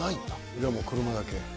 じゃもう車だけ。